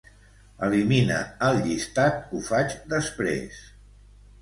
Elimina el llistat "ho faig després".